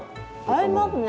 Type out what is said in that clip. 合いますね！